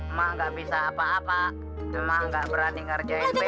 emang gak bisa apa apa emang gak berani ngerjain beo